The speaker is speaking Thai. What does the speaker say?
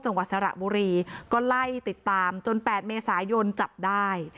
จังหวัดสระบุรีก็ไล่ติดตามจน๘เมษายนจับได้